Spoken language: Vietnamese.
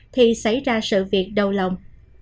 thì xảy ra sự việc đau lòng